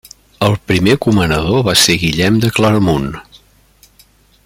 El primer comanador va ser Guillem de Claramunt.